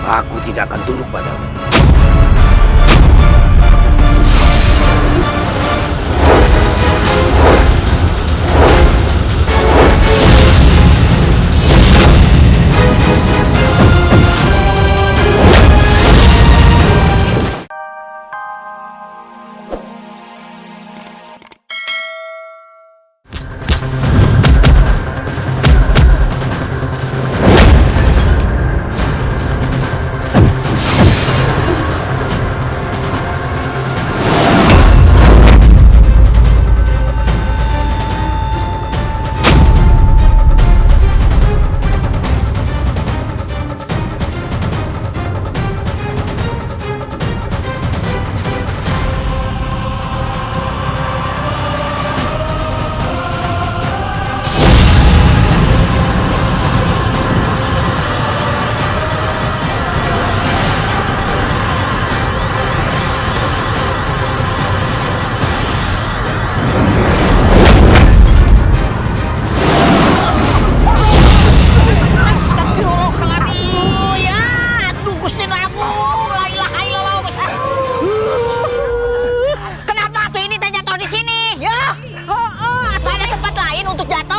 aku tidak akan turut padamu